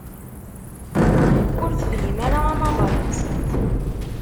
Ur tefhim ara amaḍal-nsent.